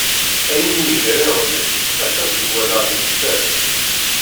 Ayen yemger iḍelli, ass-a seg wallaɣ yenser.